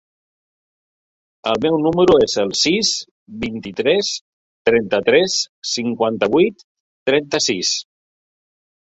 El meu número es el sis, vint-i-tres, trenta-tres, cinquanta-vuit, trenta-sis.